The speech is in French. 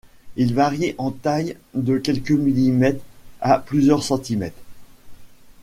Ils varient en taille de quelques millimètres à plusieurs centimètres.